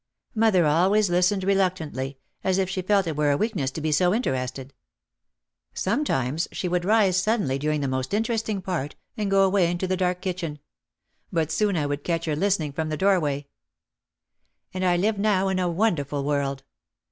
Mother always listened reluctantly, as if she felt it were a weakness to be so interested. Sometimes she would rise suddenly during the most interesting part and go OUT OF THE SHADOW 189 away into the dark kitchen. But soon I would catch her listening from the doorway. And I lived now in a wonderful world.